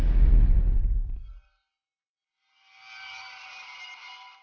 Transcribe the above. tentu saja kita bisa menemukan tuhan